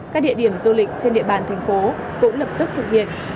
các địa điểm du lịch trên địa bàn thành phố cũng lập tức thực hiện